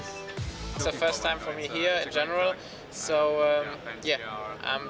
ini adalah pertama kali untuk saya di sini secara umum